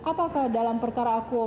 apakah dalam perkara akuo